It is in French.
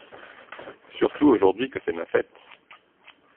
Surtout aujourd’hui que c’est ma fête.